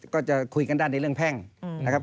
ก็จะคุยกันด้านในเรื่องแพ่งนะครับ